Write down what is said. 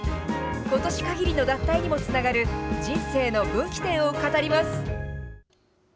ことしかぎりの脱退にもつながる人生の分岐点を語ります。